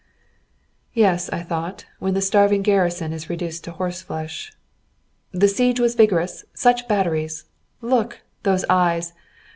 Yes, I thought, when the starving garrison is reduced to horse flesh. "The siege was vigorous. Such batteries. Look! Those eyes!